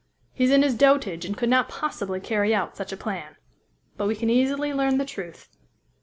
He's in his dotage, and could not possibly carry out such a plan. But we can easily learn the truth."